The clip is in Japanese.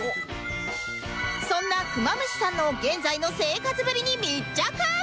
そんなクマムシさんの現在の生活ぶりに密着！